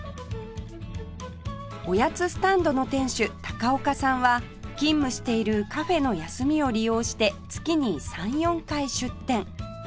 おやつスタンドの店主岡さんは勤務しているカフェの休みを利用して月に３４回出店